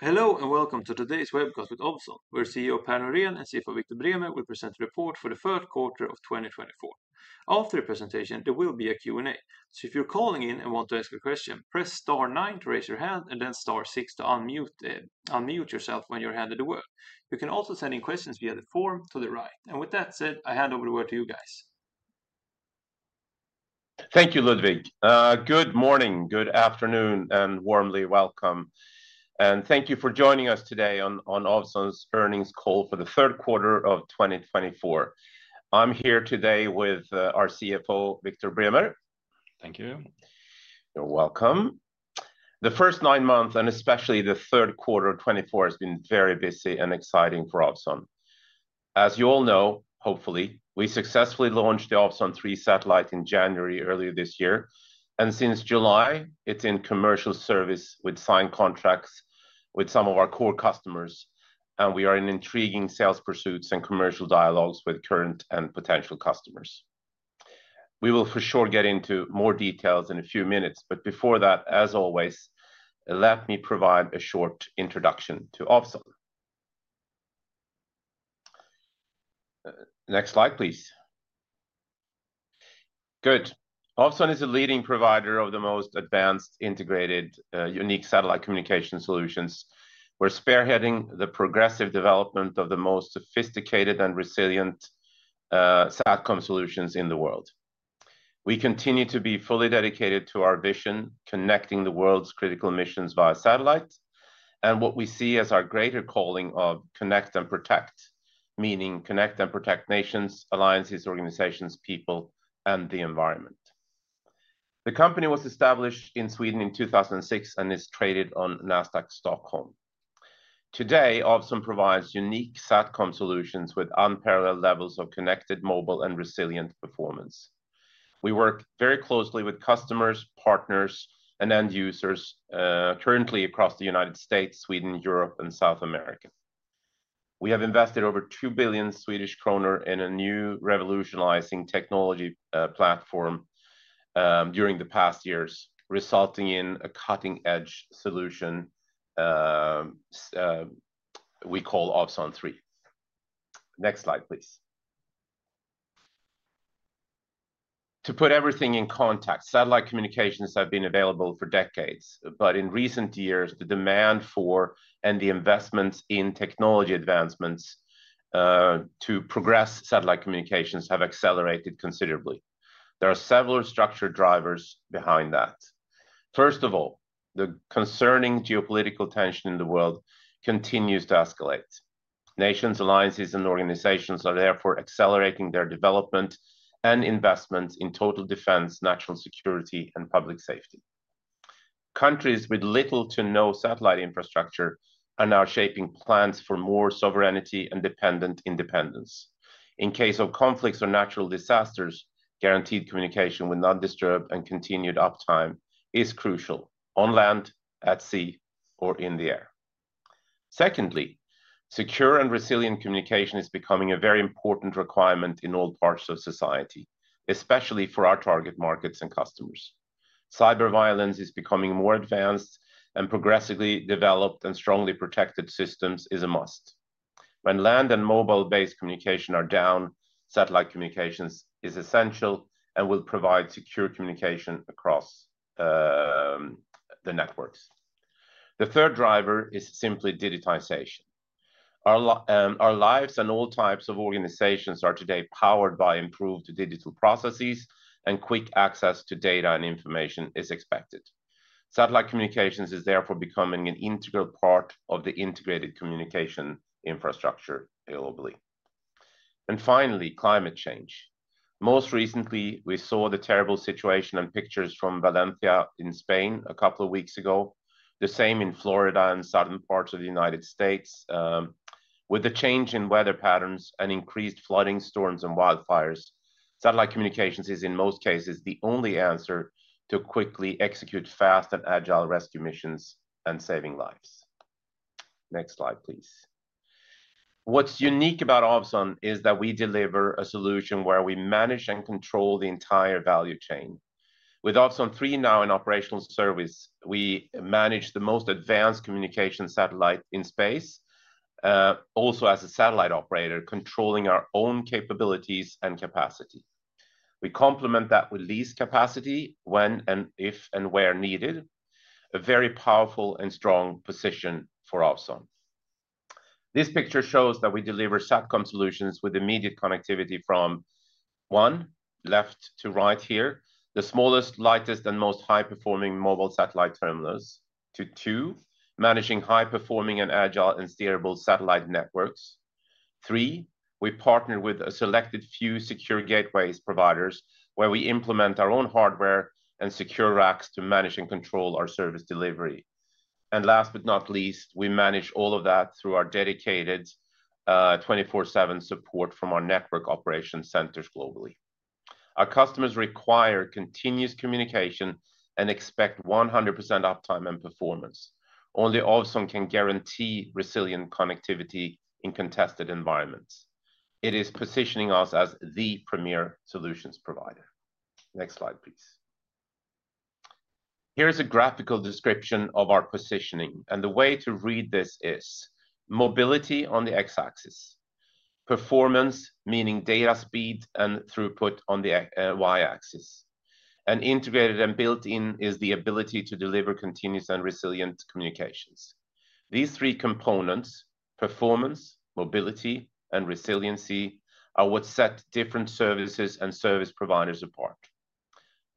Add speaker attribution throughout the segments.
Speaker 1: Hello and welcome to today's webcast with Ovzon, where CEO Per Norén and CFO Viktor Bremer will present a report for the first quarter of 2024. After the presentation, there will be a Q&A, so if you're calling in and want to ask a question, press star nine to raise your hand and then star six to unmute yourself when you're handed the word. You can also send in questions via the form to the right, and with that said, I hand over the word to you guys.
Speaker 2: Thank you, Ludwig. Good morning, good afternoon, and warmly welcome and thank you for joining us today on Ovzon's earnings call for the third quarter of 2024. I'm here today with our CFO, Viktor Bremer.
Speaker 3: Thank you.
Speaker 2: You're welcome. The first nine months, and especially the third quarter of 2024, has been very busy and exciting for Ovzon. As you all know, hopefully, we successfully launched the Ovzon 3 satellite in January earlier this year. And since July, it's in commercial service with signed contracts with some of our core customers. And we are in intriguing sales pursuits and commercial dialogues with current and potential customers. We will for sure get into more details in a few minutes. But before that, as always, let me provide a short introduction to Ovzon. Next slide, please. Good. Ovzon is a leading provider of the most advanced integrated unique satellite communication solutions, where spearheading the progressive development of the most sophisticated and resilient satcom solutions in the world. We continue to be fully dedicated to our vision, connecting the world's critical missions via satellite. What we see as our greater calling of connect and protect, meaning connect and protect nations, alliances, organizations, people, and the environment. The company was established in Sweden in 2006 and is traded on Nasdaq Stockholm. Today, Ovzon provides unique satcom solutions with unparalleled levels of connected, mobile, and resilient performance. We work very closely with customers, partners, and end users currently across the United States, Sweden, Europe, and South America. We have invested over 2 billion Swedish kronor in a new revolutionizing technology platform during the past years, resulting in a cutting-edge solution we call Ovzon 3. Next slide, please. To put everything in context, satellite communications have been available for decades, but in recent years, the demand for and the investments in technology advancements to progress satellite communications have accelerated considerably. There are several structured drivers behind that. First of all, the concerning geopolitical tension in the world continues to escalate. Nations, alliances, and organizations are therefore accelerating their development and investments in total defense, national security, and public safety. Countries with little to no satellite infrastructure are now shaping plans for more sovereignty and dependent independence. In case of conflicts or natural disasters, guaranteed communication with non-disturbed and continued uptime is crucial on land, at sea, or in the air. Secondly, secure and resilient communication is becoming a very important requirement in all parts of society, especially for our target markets and customers. Cyber violence is becoming more advanced, and progressively developed and strongly protected systems is a must. When land and mobile-based communication are down, satellite communications is essential and will provide secure communication across the networks. The third driver is simply digitization. Our lives and all types of organizations are today powered by improved digital processes, and quick access to data and information is expected. Satellite communications is therefore becoming an integral part of the integrated communication infrastructure globally. And finally, climate change. Most recently, we saw the terrible situation and pictures from Valencia in Spain a couple of weeks ago, the same in Florida and southern parts of the United States. With the change in weather patterns and increased flooding, storms, and wildfires, satellite communications is, in most cases, the only answer to quickly execute fast and agile rescue missions and saving lives. Next slide, please. What's unique about Ovzon is that we deliver a solution where we manage and control the entire value chain. With Ovzon 3 now in operational service, we manage the most advanced communication satellite in space, also as a satellite operator, controlling our own capabilities and capacity. We complement that with lease capacity when and if and where needed, a very powerful and strong position for Ovzon. This picture shows that we deliver satcom solutions with immediate connectivity from one, left to right here, the smallest, lightest, and most high-performing mobile satellite terminals, to two, managing high-performing and agile and steerable satellite networks. Three, we partner with a selected few secure gateways providers where we implement our own hardware and secure racks to manage and control our service delivery. And last but not least, we manage all of that through our dedicated 24/7 support from our network operation centers globally. Our customers require continuous communication and expect 100% uptime and performance. Only Ovzon can guarantee resilient connectivity in contested environments. It is positioning us as the premier solutions provider. Next slide, please. Here is a graphical description of our positioning. And the way to read this is mobility on the x-axis, performance, meaning data speed and throughput on the y-axis. And integrated and built-in is the ability to deliver continuous and resilient communications. These three components, performance, mobility, and resiliency, are what set different services and service providers apart.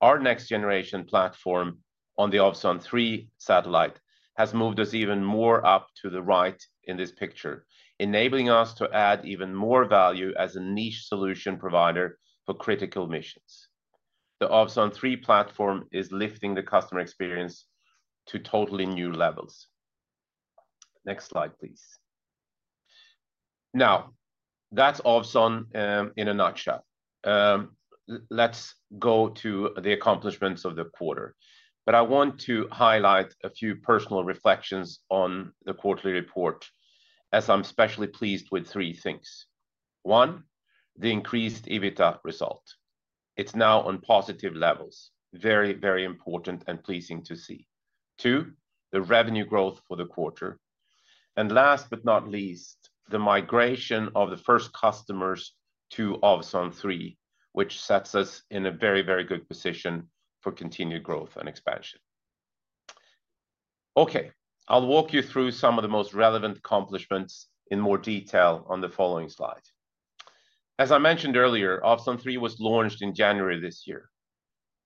Speaker 2: Our next generation platform on the Ovzon 3 satellite has moved us even more up to the right in this picture, enabling us to add even more value as a niche solution provider for critical missions. The Ovzon 3 platform is lifting the customer experience to totally new levels. Next slide, please. Now, that's Ovzon in a nutshell. Let's go to the accomplishments of the quarter. I want to highlight a few personal reflections on the quarterly report, as I'm especially pleased with three things. One, the increased EBITDA result. It's now on positive levels. Very, very important and pleasing to see. Two, the revenue growth for the quarter. And last but not least, the migration of the first customers to Ovzon 3, which sets us in a very, very good position for continued growth and expansion. Okay, I'll walk you through some of the most relevant accomplishments in more detail on the following slide. As I mentioned earlier, Ovzon 3 was launched in January this year.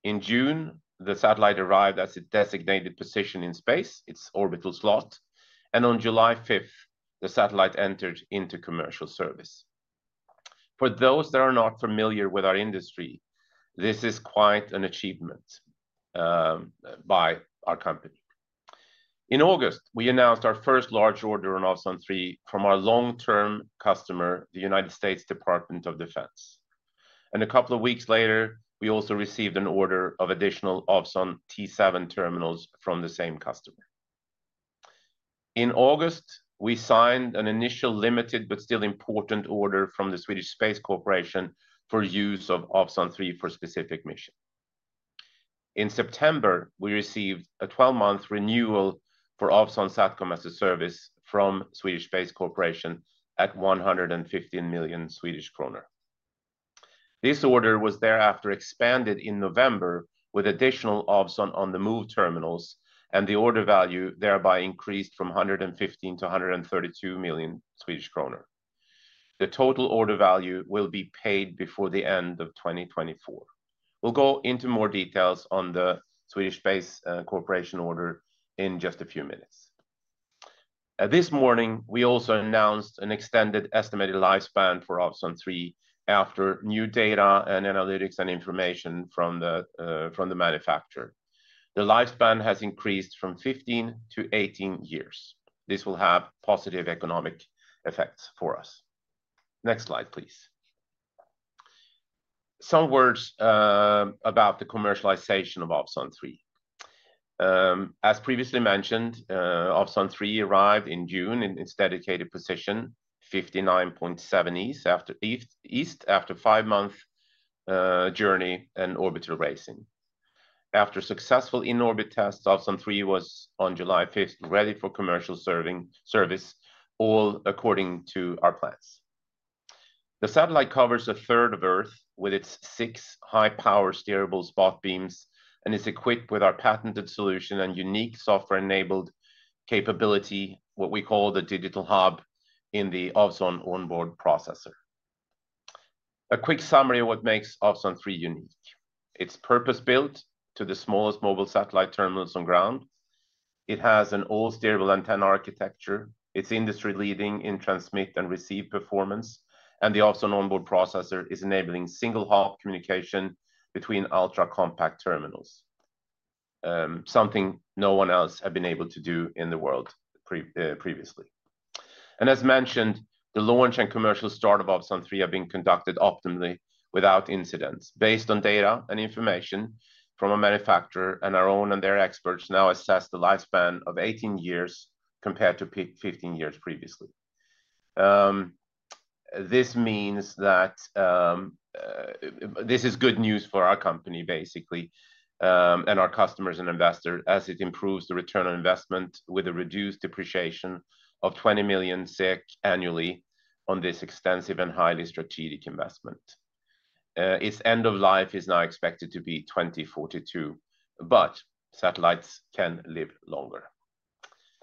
Speaker 2: In June, the satellite arrived at its designated position in space, its orbital slot. And on July 5th, the satellite entered into commercial service. For those that are not familiar with our industry, this is quite an achievement by our company. In August, we announced our first large order on Ovzon 3 from our long-term customer, the United States Department of Defense, and a couple of weeks later, we also received an order of additional Ovzon T7 terminals from the same customer. In August, we signed an initial limited but still important order from the Swedish Space Corporation for use of Ovzon 3 for specific missions. In September, we received a 12-month renewal for Ovzon SATCOM-as-a-Service from Swedish Space Corporation at 115 million Swedish kronor. This order was thereafter expanded in November with additional Ovzon On-the-Move terminals, and the order value thereby increased from 115 million-132 million Swedish kronor. The total order value will be paid before the end of 2024. We'll go into more details on the Swedish Space Corporation order in just a few minutes. This morning, we also announced an extended estimated lifespan for Ovzon 3 after new data and analytics and information from the manufacturer. The lifespan has increased from 15 to 18 years. This will have positive economic effects for us. Next slide, please. Some words about the commercialization of Ovzon 3. As previously mentioned, Ovzon 3 arrived in June in its dedicated position, 59.7 East after a five-month journey and orbital raising. After successful in-orbit tests, Ovzon 3 was on July 5th ready for commercial service, all according to our plans. The satellite covers a third of Earth with its six high-power steerable spot beams and is equipped with our patented solution and unique software-enabled capability, what we call the Digital Hub in the Ovzon On-Board Processor. A quick summary of what makes Ovzon 3 unique. It's purpose-built to the smallest mobile satellite terminals on ground. It has an all-steerable antenna architecture. It's industry-leading in transmit and receive performance. And the Ovzon On-Board Processor is enabling single-hop communication between ultra-compact terminals, something no one else had been able to do in the world previously. And as mentioned, the launch and commercial start of Ovzon 3 have been conducted optimally without incidents. Based on data and information from a manufacturer and our own and their experts, now assess the lifespan of 18 years compared to 15 years previously. This means that this is good news for our company, basically, and our customers and investors as it improves the return on investment with a reduced depreciation of 20 million SEK annually on this extensive and highly strategic investment. Its end of life is now expected to be 2042, but satellites can live longer.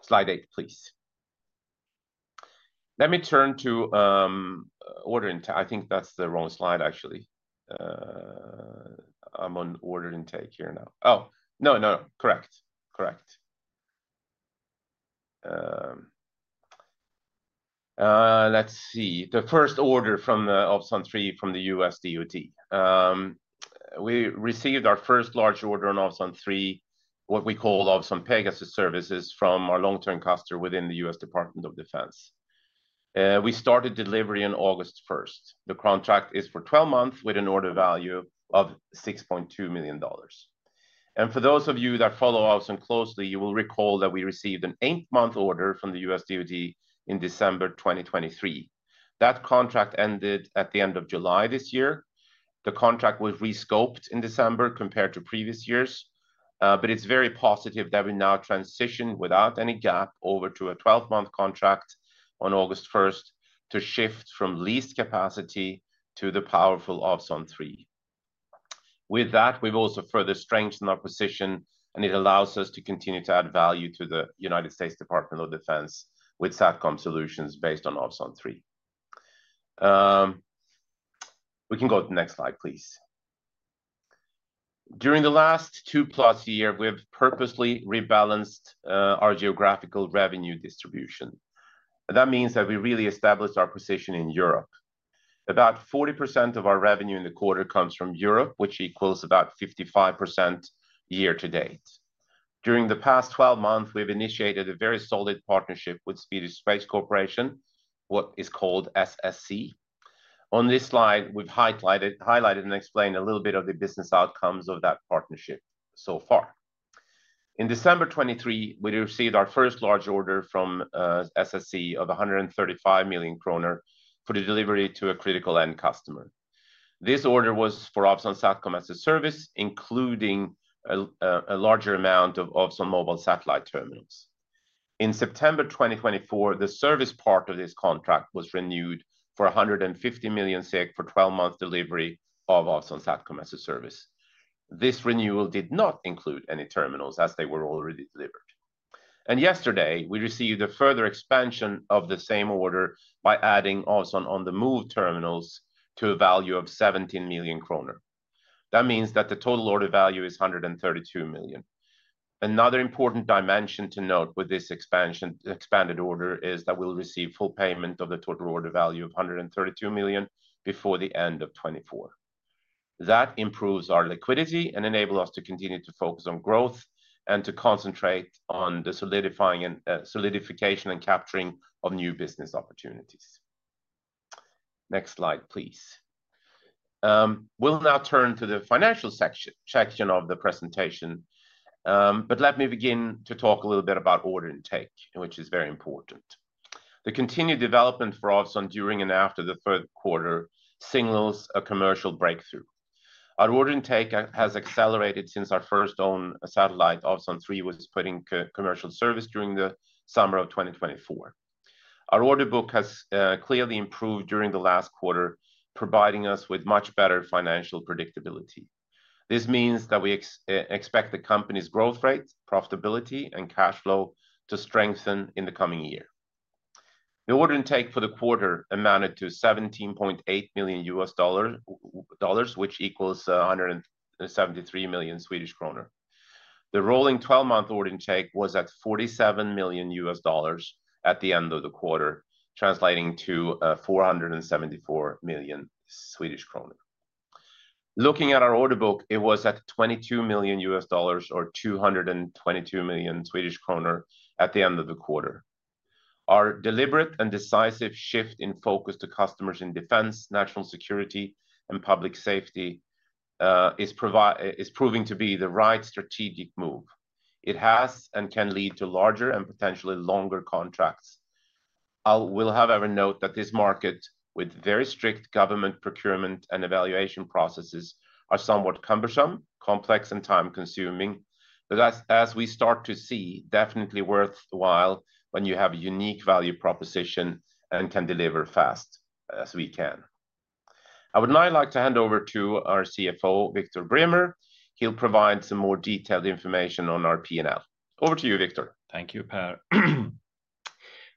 Speaker 2: Slide 8, please. Let me turn to order intake. I think that's the wrong slide, actually. I'm on order intake here now. Oh, no, no, no. Correct. Correct. Let's see. The first order from Ovzon 3 from the U.S. DoD. We received our first large order on Ovzon 3, what we call Ovzon Pegasus services from our long-term customer within the U.S. Department of Defense. We started delivery on August 1st. The contract is for 12 months with an order value of $6.2 million. And for those of you that follow Ovzon closely, you will recall that we received an eight-month order from the U.S. DoD in December 2023. That contract ended at the end of July this year. The contract was rescoped in December compared to previous years. But it's very positive that we now transition without any gap over to a 12-month contract on August 1st to shift from leased capacity to the powerful Ovzon 3. With that, we've also further strengthened our position, and it allows us to continue to add value to the United States Department of Defense with satcom solutions based on Ovzon 3. We can go to the next slide, please. During the last two-plus years, we have purposely rebalanced our geographical revenue distribution. That means that we really established our position in Europe. About 40% of our revenue in the quarter comes from Europe, which equals about 55% year to date. During the past 12 months, we've initiated a very solid partnership with Swedish Space Corporation, what is called SSC. On this slide, we've highlighted and explained a little bit of the business outcomes of that partnership so far. In December 2023, we received our first large order from SSC of 135 million kronor for the delivery to a critical end customer. This order was for Ovzon SATCOM-as-a-Service, including a larger amount of Ovzon mobile satellite terminals. In September 2024, the service part of this contract was renewed for 150 million SEK for 12-month delivery of Ovzon SATCOM-as-a-Service. This renewal did not include any terminals as they were already delivered. Yesterday, we received a further expansion of the same order by adding Ovzon On-the-Move terminals to a value of 17 million kronor. That means that the total order value is 132 million. Another important dimension to note with this expanded order is that we'll receive full payment of the total order value of 132 million before the end of 2024. That improves our liquidity and enables us to continue to focus on growth and to concentrate on the solidification and capturing of new business opportunities. Next slide, please. We'll now turn to the financial section of the presentation, but let me begin to talk a little bit about order intake, which is very important. The continued development for Ovzon during and after the third quarter signals a commercial breakthrough. Our order intake has accelerated since our first own satellite, Ovzon 3, was put in commercial service during the summer of 2024. Our order book has clearly improved during the last quarter, providing us with much better financial predictability. This means that we expect the company's growth rate, profitability, and cash flow to strengthen in the coming year. The order intake for the quarter amounted to $17.8 million, which equals 173 million Swedish kronor. The rolling 12-month order intake was at $47 million at the end of the quarter, translating to 474 million Swedish kronor. Looking at our order book, it was at $22 million or 222 million Swedish kronor at the end of the quarter. Our deliberate and decisive shift in focus to customers in defense, national security, and public safety is proving to be the right strategic move. It has and can lead to larger and potentially longer contracts. I will, however, note that this market, with very strict government procurement and evaluation processes, is somewhat cumbersome, complex, and time-consuming. But as we start to see, definitely worthwhile when you have a unique value proposition and can deliver fast as we can. I would now like to hand over to our CFO, Viktor Bremer. He'll provide some more detailed information on our P&L. Over to you, Viktor.
Speaker 3: Thank you, Per.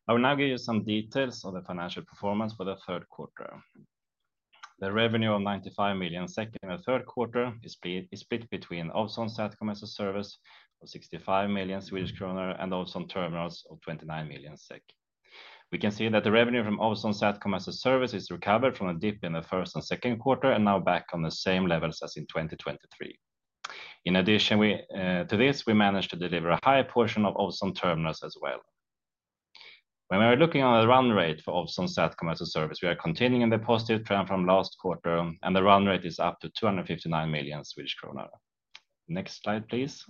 Speaker 3: I will now give you some details on the financial performance for the third quarter. The revenue of 95 million in the third quarter is split between Ovzon SATCOM-as-a-Service of 65 million Swedish kronor and Ovzon terminals of 29 million SEK. We can see that the revenue from Ovzon SATCOM-as-a-Service is recovered from a dip in the first and second quarter and now back on the same levels as in 2023. In addition to this, we managed to deliver a high portion of Ovzon terminals as well. When we are looking at the run rate for Ovzon SATCOM-as-a-Service, we are continuing in the positive trend from last quarter, and the run rate is up to 259 million Swedish kronor. Next slide, please.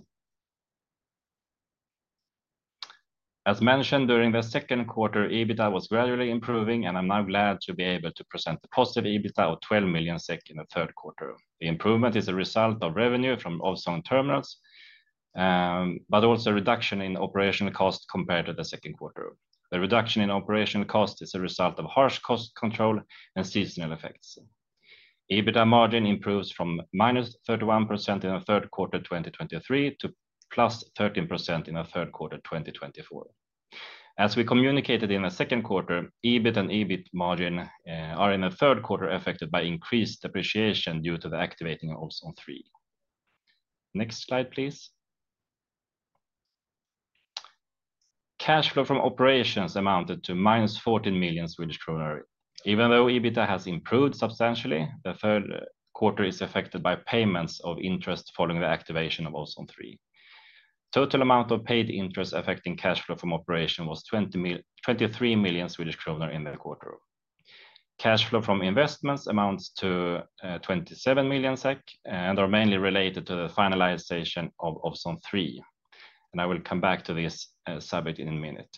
Speaker 3: As mentioned, during the second quarter, EBITDA was gradually improving, and I'm now glad to be able to present a positive EBITDA of 12 million SEK in the third quarter. The improvement is a result of revenue from Ovzon terminals, but also a reduction in operational cost compared to the second quarter. The reduction in operational cost is a result of harsh cost control and seasonal effects. EBITDA margin improves from -31% in the third quarter 2023 to +13% in the third quarter 2024. As we communicated in the second quarter, EBIT and EBIT margin are in the third quarter affected by increased depreciation due to the activating of Ovzon 3. Next slide, please. Cash flow from operations amounted to -14 million Swedish kronor. Even though EBITDA has improved substantially, the third quarter is affected by payments of interest following the activation of Ovzon 3. Total amount of paid interest affecting cash flow from operation was 23 million Swedish kronor in the quarter. Cash flow from investments amounts to 27 million SEK and are mainly related to the finalization of Ovzon 3. And I will come back to this subject in a minute.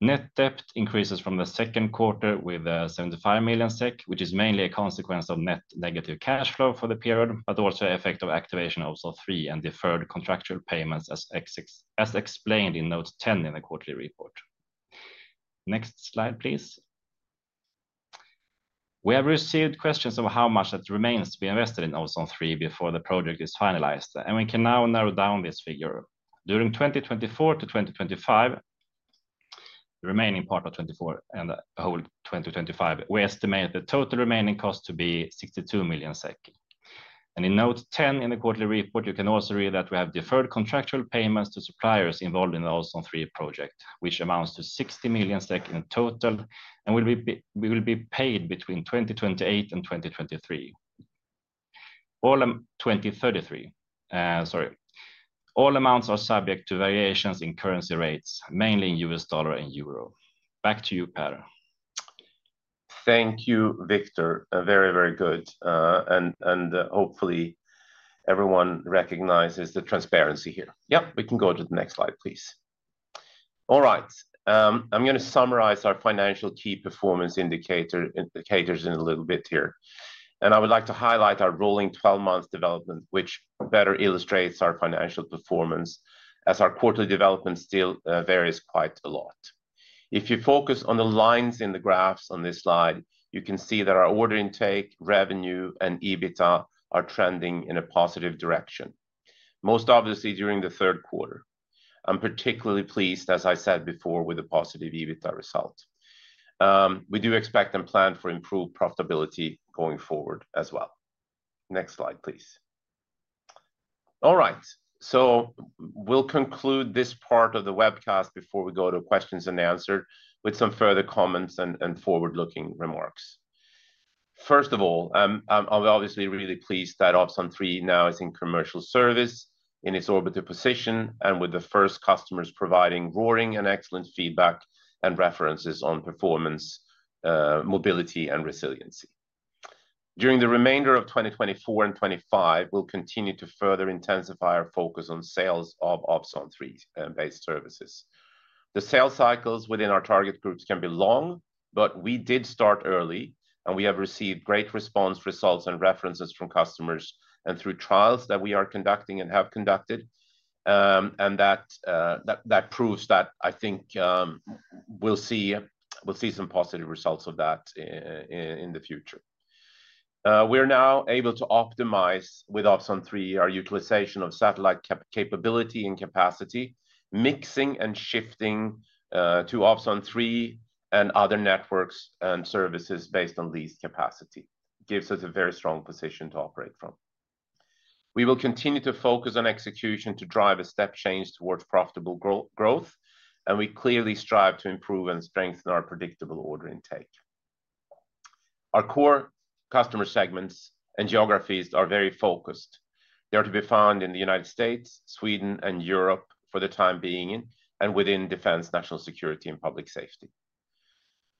Speaker 3: Net debt increases from the second quarter with 75 million SEK, which is mainly a consequence of net negative cash flow for the period, but also the effect of activation of Ovzon 3 and deferred contractual payments as explained in note 10 in the quarterly report. Next slide, please. We have received questions of how much that remains to be invested in Ovzon 3 before the project is finalized, and we can now narrow down this figure. During 2024 to 2025, the remaining part of 2024 and the whole 2025, we estimate the total remaining cost to be 62 million SEK. And in note 10 in the quarterly report, you can also read that we have deferred contractual payments to suppliers involved in the Ovzon 3 project, which amounts to 60 million SEK in total and will be paid between 2028 and 2023. All amounts are subject to variations in currency rates, mainly in U.S. dollar and euro. Back to you, Per.
Speaker 2: Thank you, Viktor. Very, very good. And hopefully, everyone recognizes the transparency here. Yep, we can go to the next slide, please. All right. I'm going to summarize our financial key performance indicators in a little bit here. And I would like to highlight our rolling 12-month development, which better illustrates our financial performance as our quarterly development still varies quite a lot. If you focus on the lines in the graphs on this slide, you can see that our order intake, revenue, and EBITDA are trending in a positive direction, most obviously during the third quarter. I'm particularly pleased, as I said before, with the positive EBITDA result. We do expect and plan for improved profitability going forward as well. Next slide, please. All right. So we'll conclude this part of the webcast before we go to questions and answers with some further comments and forward-looking remarks. First of all, I'm obviously really pleased that Ovzon 3 now is in commercial service in its orbital position and with the first customers providing roaring and excellent feedback and references on performance, mobility, and resiliency. During the remainder of 2024 and 2025, we'll continue to further intensify our focus on sales of Ovzon 3-based services. The sales cycles within our target groups can be long, but we did start early, and we have received great response results and references from customers and through trials that we are conducting and have conducted, and that proves that I think we'll see some positive results of that in the future. We are now able to optimize with Ovzon 3 our utilization of satellite capability and capacity, mixing and shifting to Ovzon 3 and other networks and services based on leased capacity. It gives us a very strong position to operate from. We will continue to focus on execution to drive a step change towards profitable growth, and we clearly strive to improve and strengthen our predictable order intake. Our core customer segments and geographies are very focused. They are to be found in the United States, Sweden, and Europe for the time being and within defense, national security, and public safety.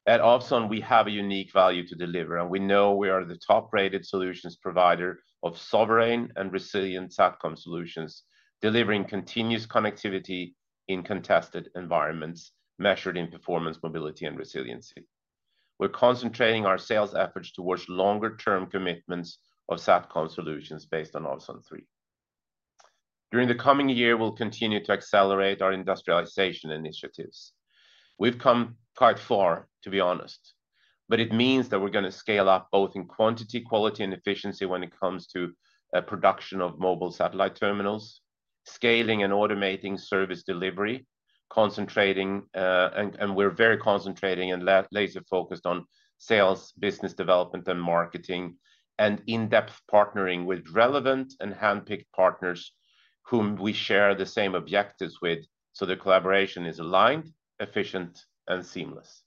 Speaker 2: At Ovzon, we have a unique value to deliver, and we know we are the top-rated solutions provider of sovereign and resilient satcom solutions, delivering continuous connectivity in contested environments measured in performance, mobility, and resiliency. We're concentrating our sales efforts towards longer-term commitments of satcom solutions based on Ovzon 3. During the coming year, we'll continue to accelerate our industrialization initiatives. We've come quite far, to be honest. But it means that we're going to scale up both in quantity, quality, and efficiency when it comes to production of mobile satellite terminals, scaling and automating service delivery, concentrating, and we're very concentrating and laser-focused on sales, business development, and marketing, and in-depth partnering with relevant and handpicked partners whom we share the same objectives with so the collaboration is aligned, efficient, and seamless.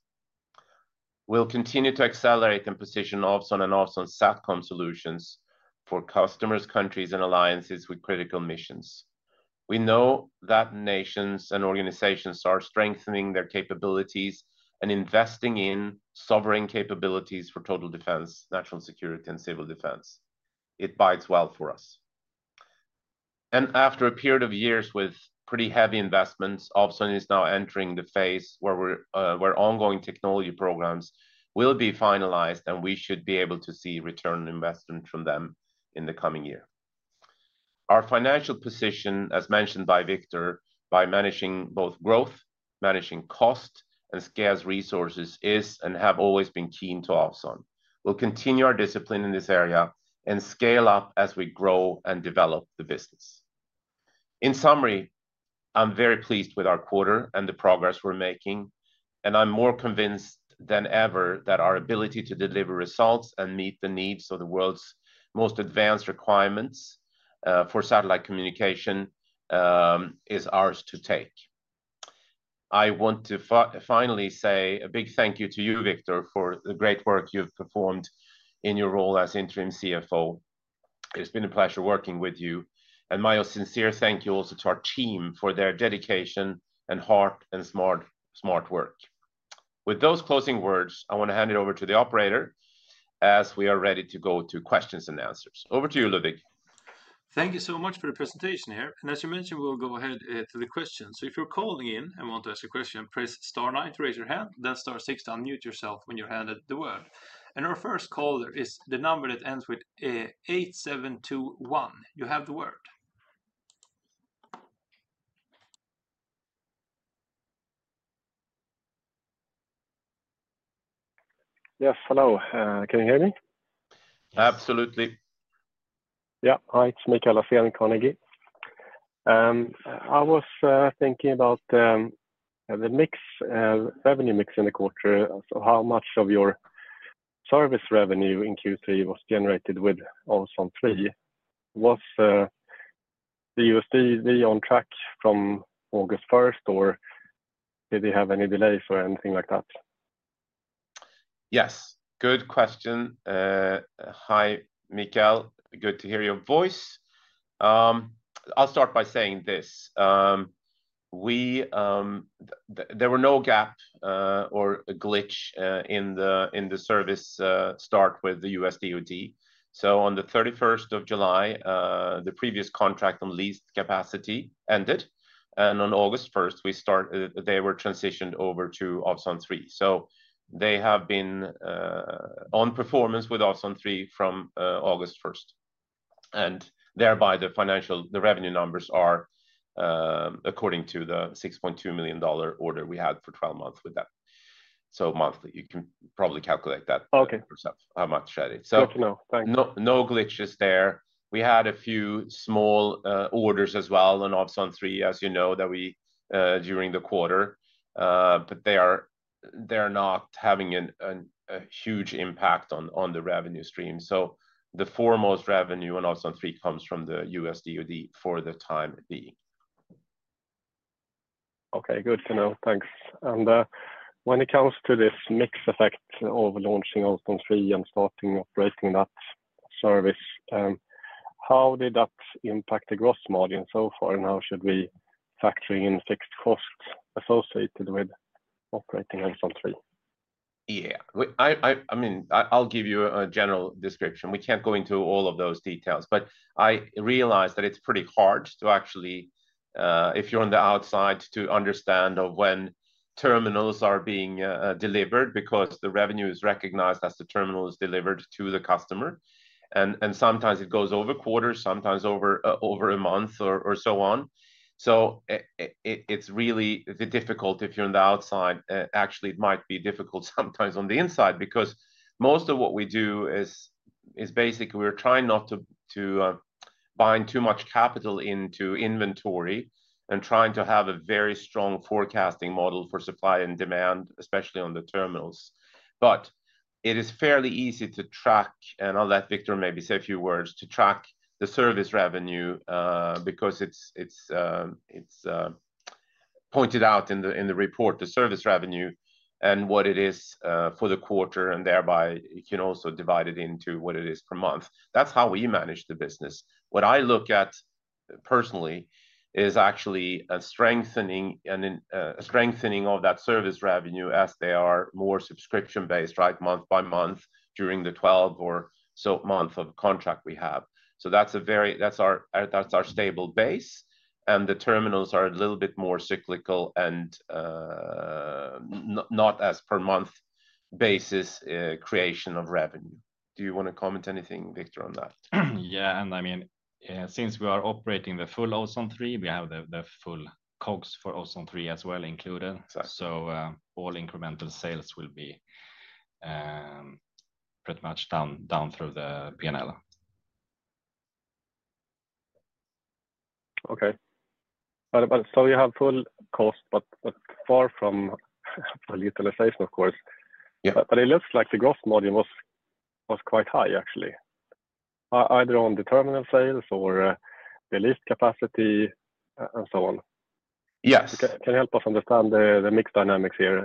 Speaker 2: We'll continue to accelerate and position Ovzon and Ovzon Satcom solutions for customers, countries, and alliances with critical missions. We know that nations and organizations are strengthening their capabilities and investing in sovereign capabilities for total defense, national security, and civil defense. It bodes well for us. After a period of years with pretty heavy investments, Ovzon is now entering the phase where ongoing technology programs will be finalized, and we should be able to see return on investment from them in the coming year. Our financial position, as mentioned by Viktor, by managing both growth, managing costs, and scarce resources is and have always been key to Ovzon. We'll continue our discipline in this area and scale up as we grow and develop the business. In summary, I'm very pleased with our quarter and the progress we're making. I'm more convinced than ever that our ability to deliver results and meet the needs of the world's most advanced requirements for satellite communication is ours to take. I want to finally say a big thank you to you, Viktor, for the great work you've performed in your role as interim CFO. It's been a pleasure working with you. And my sincere thank you also to our team for their dedication and heart and smart work. With those closing words, I want to hand it over to the operator as we are ready to go to questions and answers. Over to you, Ludwig.
Speaker 1: Thank you so much for the presentation here. And as you mentioned, we'll go ahead to the questions. So if you're calling in and want to ask a question, press star nine to raise your hand. Then star six to unmute yourself when you're handed the word. And our first caller is the number that ends with 8721. You have the word.
Speaker 4: Yes, hello. Can you hear me?
Speaker 2: Absolutely.
Speaker 4: Yeah, hi. It's Mikael Laséen, Carnegie. I was thinking about the revenue mix in the quarter, so how much of your service revenue in Q3 was generated with Ovzon 3? Was the U.S. DoD on track from August 1st, or did it have any delays or anything like that?
Speaker 2: Yes. Good question. Hi, Mikael. Good to hear your voice. I'll start by saying this. There were no gaps or glitches in the service start with the U.S. DoD. So on the 31st of July, the previous contract on leased capacity ended, and on August 1st, they were transitioned over to Ovzon 3. So they have been on performance with Ovzon 3 from August 1st, and thereby, the revenue numbers are according to the $6.2 million order we had for 12 months with that. So monthly, you can probably calculate that for yourself, how much that is. So no glitches there. We had a few small orders as well on Ovzon 3, as you know, during the quarter. But they are not having a huge impact on the revenue stream. So the foremost revenue on Ovzon 3 comes from the U.S. DoD for the time being.
Speaker 4: Okay, good to know. Thanks. And when it comes to this mixed effect of launching Ovzon 3 and starting operating that service, how did that impact the gross margin so far? And how should we factor in fixed costs associated with operating Ovzon 3?
Speaker 2: Yeah. I mean, I'll give you a general description. We can't go into all of those details. But I realize that it's pretty hard to actually, if you're on the outside, to understand when terminals are being delivered because the revenue is recognized as the terminal is delivered to the customer. Sometimes it goes over quarters, sometimes over a month or so on. It's really difficult if you're on the outside. Actually, it might be difficult sometimes on the inside because most of what we do is basically we're trying not to bind too much capital into inventory and trying to have a very strong forecasting model for supply and demand, especially on the terminals. It is fairly easy to track, and I'll let Viktor maybe say a few words, to track the service revenue because it's pointed out in the report, the service revenue and what it is for the quarter, and thereby, you can also divide it into what it is per month. That's how we manage the business. What I look at personally is actually a strengthening of that service revenue as they are more subscription-based, right, month by month during the 12 or so months of contract we have. So that's our stable base. And the terminals are a little bit more cyclical and not as per-month basis creation of revenue. Do you want to comment anything, Viktor, on that?
Speaker 3: Yeah. And I mean, since we are operating the full Ovzon 3, we have the full COGS for Ovzon 3 as well included. So all incremental sales will be pretty much down through the P&L.
Speaker 4: Okay. So you have full cost, but far from utilization, of course. But it looks like the gross margin was quite high, actually, either on the terminal sales or the leased capacity and so on.
Speaker 3: Yes.
Speaker 4: Can you help us understand the mixed dynamics here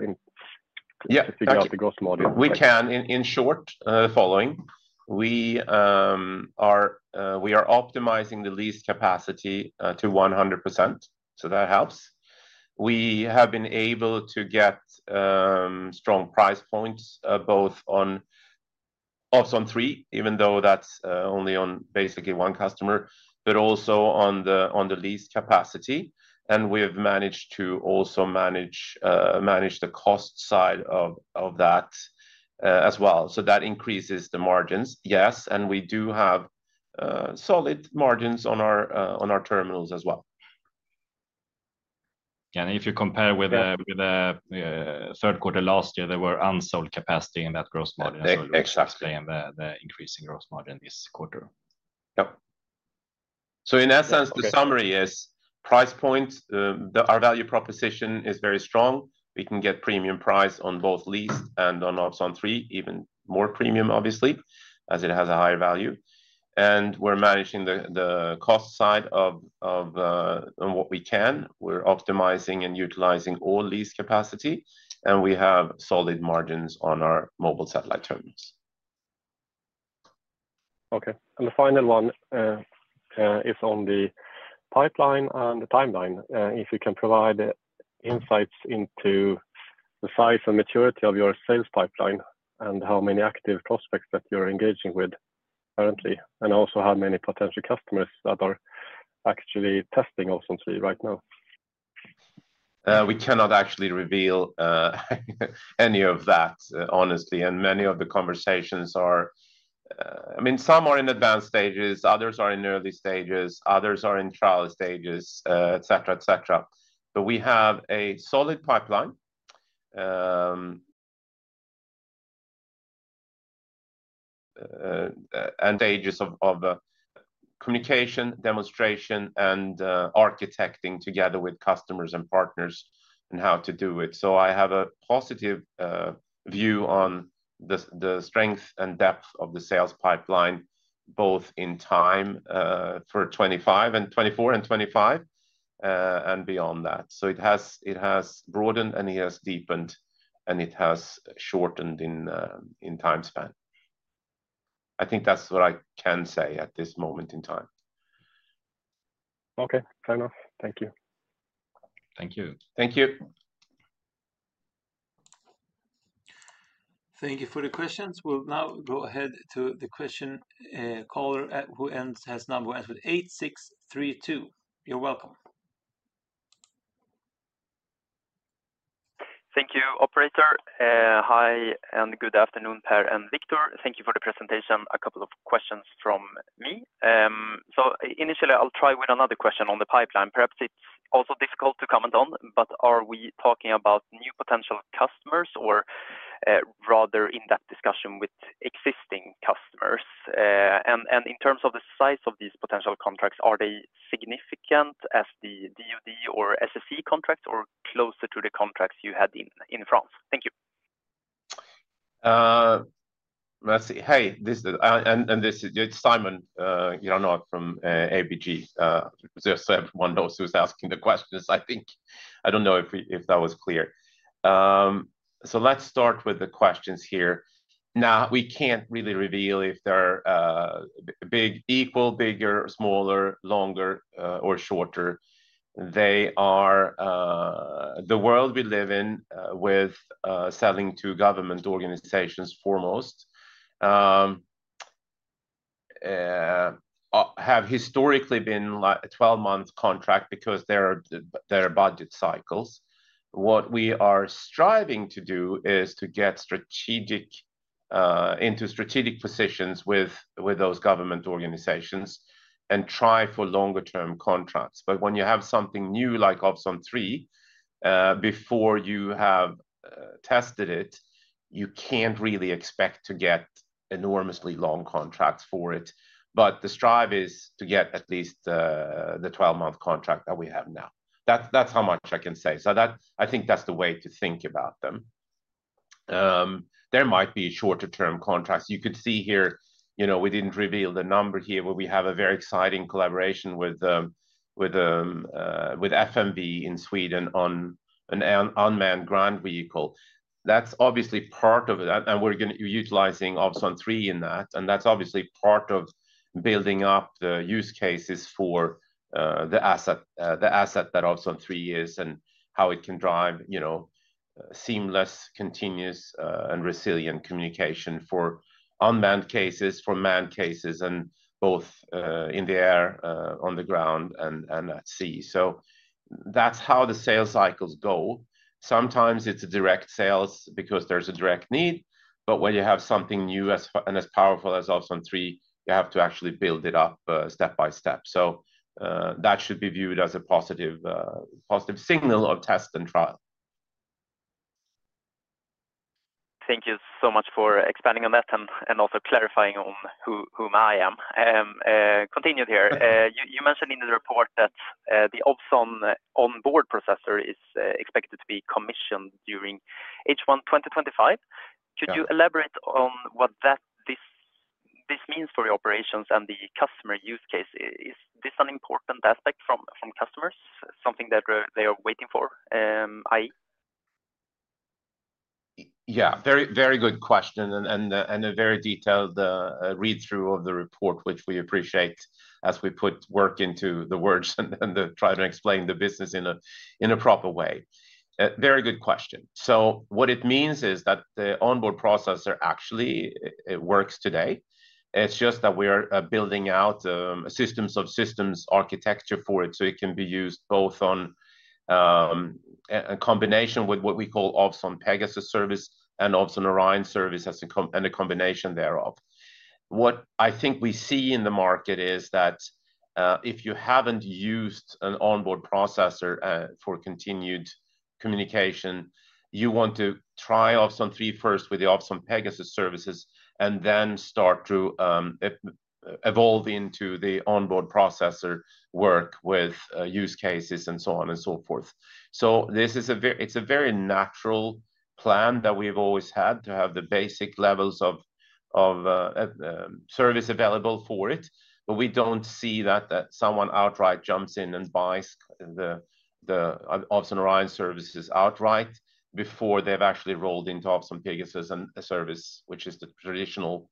Speaker 4: to figure out the gross margin?
Speaker 3: We can. In short, the following. We are optimizing the leased capacity to 100%. So that helps. We have been able to get strong price points both on Ovzon 3, even though that's only on basically one customer, but also on the leased capacity. And we have managed to also manage the cost side of that as well. So that increases the margins, yes. And we do have solid margins on our terminals as well. And if you compare with the third quarter last year, there were unsold capacity in that gross margin. So we're expecting the increasing gross margin this quarter.
Speaker 2: Yep. So in essence, the summary is price points. Our value proposition is very strong. We can get premium price on both leased and on Ovzon 3, even more premium, obviously, as it has a higher value. And we're managing the cost side of what we can. We're optimizing and utilizing all leased capacity, and we have solid margins on our mobile satellite terminals.
Speaker 4: Okay, and the final one is on the pipeline and the timeline. If you can provide insights into the size and maturity of your sales pipeline and how many active prospects that you're engaging with currently, and also how many potential customers that are actually testing Ovzon 3 right now?
Speaker 2: We cannot actually reveal any of that, honestly, and many of the conversations are, I mean, some are in advanced stages. Others are in early stages. Others are in trial stages, etc., etc., but we have a solid pipeline and stages of communication, demonstration, and architecting together with customers and partners and how to do it, so I have a positive view on the strength and depth of the sales pipeline, both in time for 2025 and 2024 and 2025 and beyond that. So it has broadened and it has deepened, and it has shortened in time span. I think that's what I can say at this moment in time.
Speaker 4: Okay. Fair enough. Thank you. Thank you. Thank you.
Speaker 1: Thank you for the questions. We'll now go ahead to the question caller who has number 8632. You're welcome.
Speaker 5: Thank you, operator. Hi and good afternoon, Per and Viktor. Thank you for the presentation. A couple of questions from me. So initially, I'll try with another question on the pipeline. Perhaps it's also difficult to comment on, but are we talking about new potential customers or rather in-depth discussion with existing customers? And in terms of the size of these potential contracts, are they significant as the DoD or SSC contracts or closer to the contracts you had in France? Thank you.
Speaker 2: Let's see. Hey, and this is Simon Granath from ABG. Just so everyone knows who's asking the questions, I think. I don't know if that was clear. So let's start with the questions here. Now, we can't really reveal if they're equal, bigger, smaller, longer, or shorter. They are the world we live in with selling to government organizations foremost have historically been 12-month contract because there are budget cycles. What we are striving to do is to get into strategic positions with those government organizations and try for longer-term contracts. But when you have something new like Ovzon 3, before you have tested it, you can't really expect to get enormously long contracts for it. But the strive is to get at least the 12-month contract that we have now. That's how much I can say. So I think that's the way to think about them. There might be shorter-term contracts. You could see here, we didn't reveal the number here, but we have a very exciting collaboration with FMV in Sweden on an unmanned ground vehicle. That's obviously part of it, and we're utilizing Ovzon 3 in that, and that's obviously part of building up the use cases for the asset that Ovzon 3 is and how it can drive seamless, continuous, and resilient communication for unmanned cases, for manned cases, and both in the air, on the ground, and at sea, so that's how the sales cycles go. Sometimes it's a direct sales because there's a direct need, but when you have something new and as powerful as Ovzon 3, you have to actually build it up step by step, so that should be viewed as a positive signal of test and trial.
Speaker 5: Thank you so much for expanding on that and also clarifying on who I am. Continuing here, you mentioned in the report that the Ovzon On-Board Processor is expected to be commissioned during H1 2025. Could you elaborate on what this means for your operations and the customer use case? Is this an important aspect from customers, something that they are waiting for?
Speaker 2: Yeah. Very good question and a very detailed read-through of the report, which we appreciate as we put work into the words and try to explain the business in a proper way. Very good question, so what it means is that the onboard processor actually works today. It's just that we are building out systems of systems architecture for it so it can be used both on a combination with what we call Ovzon Pegasus service and Ovzon Orion service and a combination thereof. What I think we see in the market is that if you haven't used an onboard processor for continued communication, you want to try Ovzon 3 first with the Ovzon Pegasus services and then start to evolve into the onboard processor work with use cases and so on and so forth. So it's a very natural plan that we've always had to have the basic levels of service available for it. But we don't see that someone outright jumps in and buys the Ovzon Orion services outright before they've actually rolled into Ovzon Pegasus and service, which is the traditional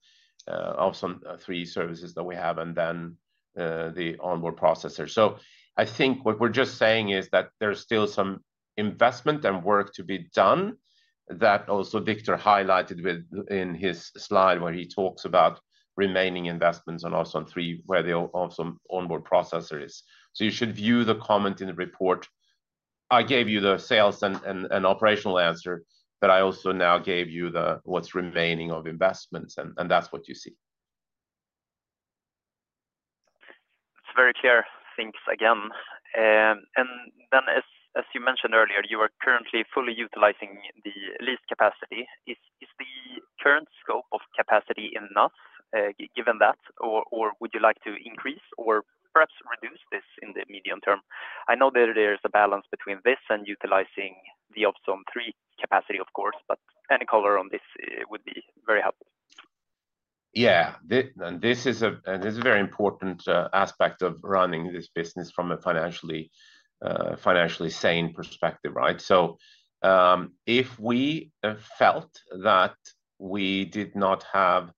Speaker 2: Ovzon 3 services that we have and then the onboard processor. I think what we're just saying is that there's still some investment and work to be done that also Viktor highlighted in his slide where he talks about remaining investments on Ovzon 3 where the Ovzon On-Board Processor is. You should view the comment in the report. I gave you the sales and operational answer, but I also now gave you what's remaining of investments. And that's what you see.
Speaker 5: That's very clear. Thanks again. And then, as you mentioned earlier, you are currently fully utilizing the leased capacity. Is the current scope of capacity enough given that, or would you like to increase or perhaps reduce this in the medium term? I know that there is a balance between this and utilizing the Ovzon 3 capacity, of course, but any color on this would be very helpful.
Speaker 2: Yeah. And this is a very important aspect of running this business from a financially sane perspective, right? So if we felt that we did not have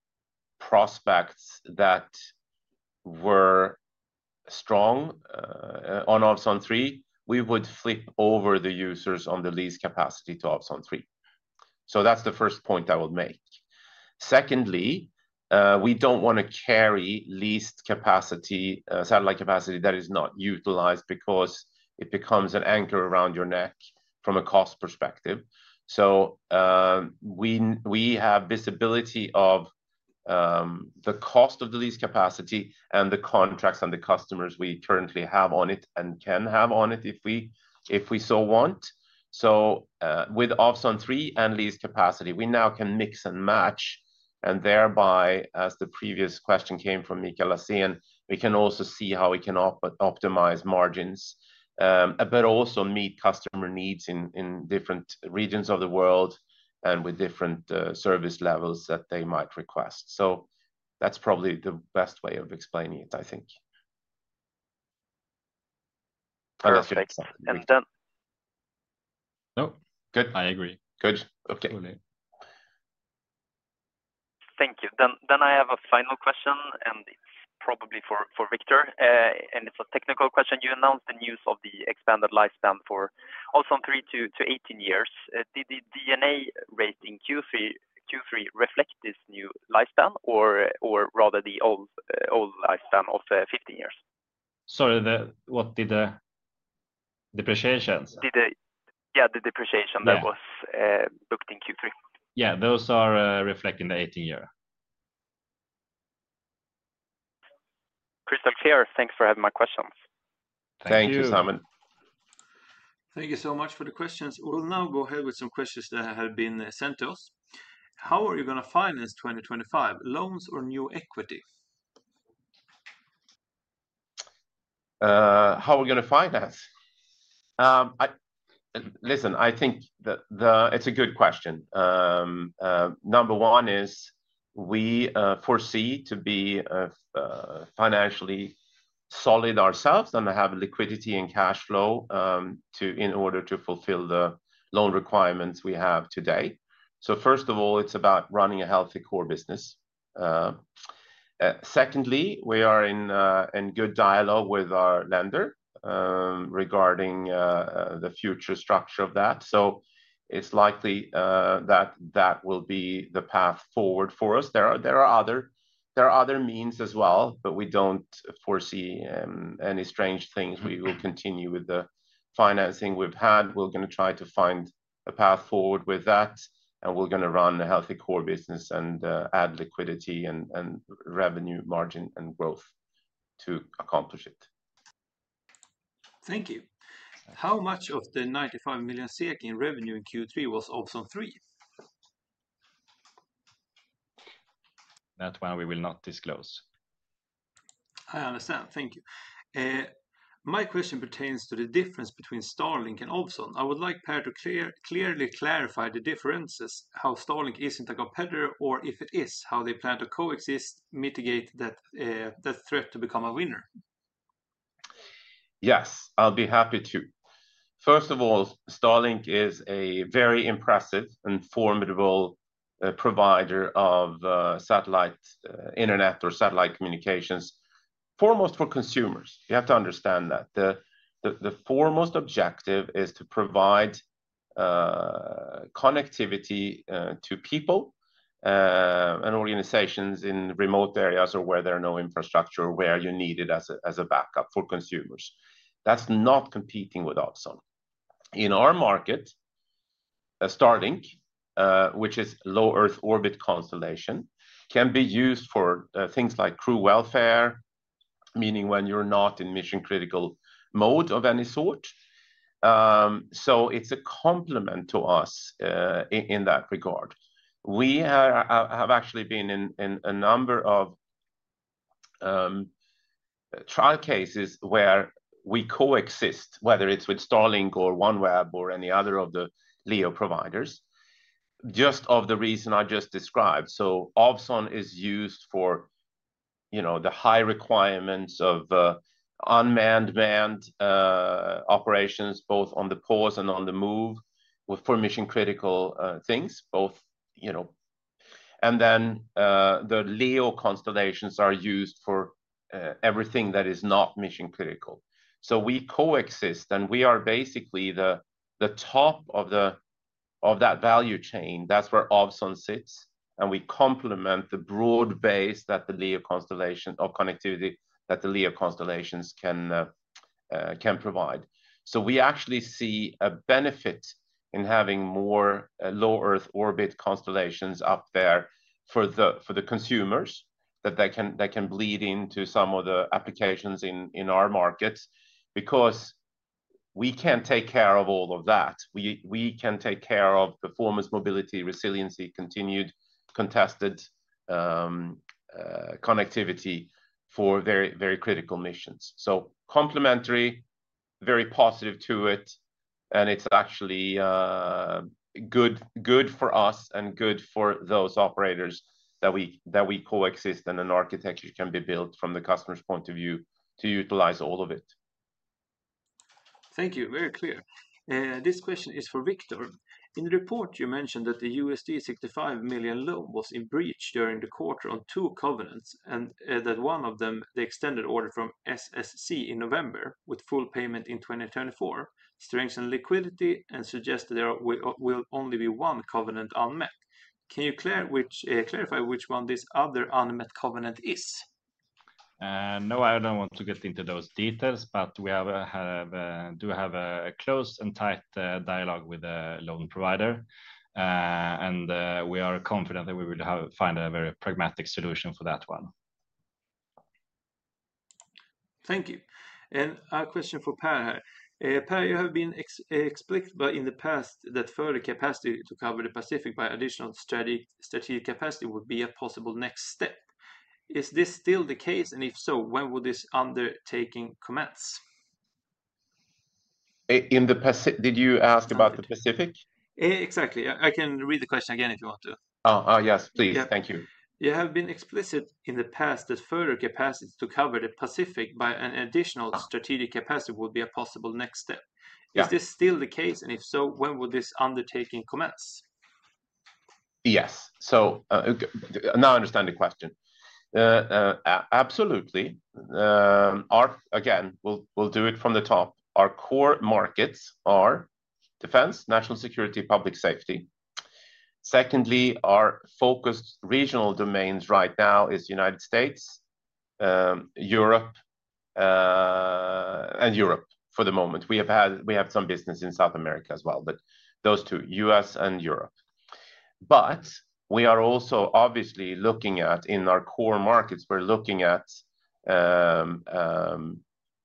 Speaker 2: prospects that were strong on Ovzon 3, we would flip over the users on the leased capacity to Ovzon 3. So that's the first point I would make. Secondly, we don't want to carry leased satellite capacity that is not utilized because it becomes an anchor around your neck from a cost perspective. So we have visibility of the cost of the leased capacity and the contracts and the customers we currently have on it and can have on it if we so want. So with Ovzon 3 and leased capacity, we now can mix and match. And thereby, as the previous question came from Mikael Laséen, we can also see how we can optimize margins, but also meet customer needs in different regions of the world and with different service levels that they might request. So that's probably the best way of explaining it, I think.
Speaker 5: Perfect. Thanks. Thanks, Dan. Nope. Good. I agree. Good. Okay. Thank you. Then I have a final question, and it's probably for Viktor. And it's a technical question. You announced the news of the expanded lifespan for Ovzon 3 to 18 years. Did the depreciation in Q3 reflect this new lifespan, or rather the old lifespan of 15 years?
Speaker 3: Sorry, what did you say? The depreciation?
Speaker 5: Yeah, the depreciation that was booked in Q3.
Speaker 3: Yeah, those are reflecting the 18-year.
Speaker 5: Crystal clear. Thanks for taking my questions.
Speaker 3: Thank you, Simon.
Speaker 1: Thank you so much for the questions. We'll now go ahead with some questions that have been sent to us. How are you going to finance 2025? Loans or new equity?
Speaker 2: How are we going to finance? Listen, I think it's a good question. Number one is we foresee to be financially solid ourselves and have liquidity and cash flow in order to fulfill the loan requirements we have today. So first of all, it's about running a healthy core business. Secondly, we are in good dialogue with our lender regarding the future structure of that. So it's likely that that will be the path forward for us. There are other means as well, but we don't foresee any strange things. We will continue with the financing we've had. We're going to try to find a path forward with that, and we're going to run a healthy core business and add liquidity and revenue margin and growth to accomplish it.
Speaker 1: Thank you. How much of the 95 million in revenue in Q3 was Ovzon 3?
Speaker 2: That one we will not disclose.
Speaker 1: I understand. Thank you. My question pertains to the difference between Starlink and Ovzon. I would like Per to clearly clarify the differences, how Starlink isn't a competitor, or if it is, how they plan to coexist, mitigate that threat to become a winner.
Speaker 2: Yes, I'll be happy to. First of all, Starlink is a very impressive and formidable provider of satellite internet or satellite communications, foremost for consumers. You have to understand that. The foremost objective is to provide connectivity to people and organizations in remote areas or where there are no infrastructure or where you need it as a backup for consumers. That's not competing with Ovzon. In our market, Starlink, which is Low Earth Orbit Constellation, can be used for things like crew welfare, meaning when you're not in mission-critical mode of any sort. So it's a complement to us in that regard. We have actually been in a number of trial cases where we coexist, whether it's with Starlink or OneWeb or any other of the LEO providers, just for the reason I just described. So Ovzon is used for the high requirements of unmanned manned operations, both on the pause and on the move for mission-critical things. And then the LEO constellations are used for everything that is not mission-critical. So we coexist, and we are basically the top of that value chain. That's where Ovzon sits, and we complement the broad base that the LEO constellation of connectivity that the LEO constellations can provide. So we actually see a benefit in having more Low Earth Orbit constellations up there for the consumers that can bleed into some of the applications in our market because we can take care of all of that. We can take care of performance, mobility, resiliency, continued contested connectivity for very critical missions. So complementary, very positive to it, and it's actually good for us and good for those operators that we coexist and an architecture can be built from the customer's point of view to utilize all of it.
Speaker 1: Thank you. Very clear. This question is for Viktor. In the report, you mentioned that the $65 million loan was in breach during the quarter on two covenants and that one of them, the extended order from SSC in November with full payment in 2024, strengthened liquidity and suggested there will only be one covenant unmet. Can you clarify which one this other unmet covenant is?
Speaker 3: No, I don't want to get into those details, but we do have a close and tight dialogue with the loan provider, and we are confident that we will find a very pragmatic solution for that one.
Speaker 1: Thank you. And a question for Per here. Per, you have been explicit in the past that further capacity to cover the Pacific by additional strategic capacity would be a possible next step. Is this still the case? And if so, when will this undertaking commence?
Speaker 2: Did you ask about the Pacific?
Speaker 1: Exactly. I can read the question again if you want to.
Speaker 2: Oh, yes, please. Thank you.
Speaker 1: You have been explicit in the past that further capacity to cover the Pacific by an additional strategic capacity would be a possible next step. Is this still the case? And if so, when will this undertaking commence?
Speaker 2: Yes. So now I understand the question. Absolutely. Again, we'll do it from the top. Our core markets are defense, national security, public safety. Secondly, our focused regional domains right now are the United States, Europe, and Europe for the moment. We have some business in South America as well, but those two, U.S. and Europe. But we are also obviously looking at, in our core markets, we're looking at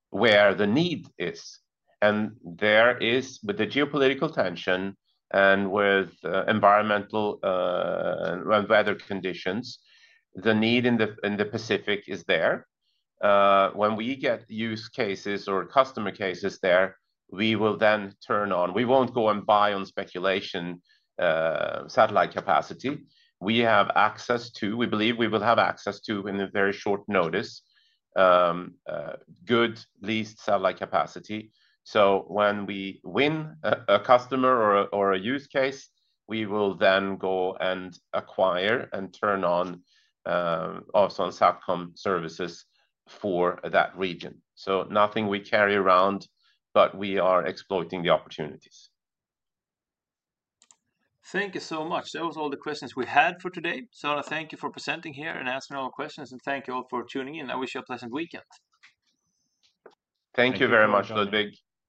Speaker 2: where the need is. And there is, with the geopolitical tension and with environmental and weather conditions, the need in the Pacific is there. When we get use cases or customer cases there, we will then turn on. We won't go and buy on speculation satellite capacity. We have access to, we believe we will have access to in very short notice, good leased satellite capacity. So when we win a customer or a use case, we will then go and acquire and turn on Ovzon Satcom services for that region. So nothing we carry around, but we are exploiting the opportunities.
Speaker 1: Thank you so much. That was all the questions we had for today. Thank you for presenting here and asking all questions, and thank you all for tuning in. I wish you a pleasant weekend.
Speaker 2: Thank you very much, Ludwig.